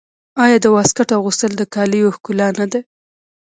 آیا د واسکټ اغوستل د کالیو ښکلا نه ده؟